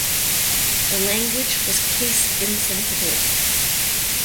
The language was case insensitive.